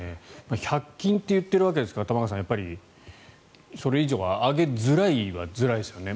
１００均と言っているわけですから玉川さん、それ以上は上げづらいはづらいですよね。